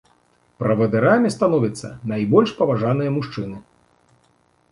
Правадырамі становяцца найбольш паважаныя мужчыны.